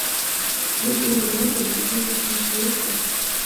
Родо улына гын, тыге ышташ лиеш мо?